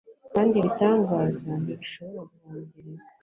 kandi ibitangaza ntibishobora guhongerera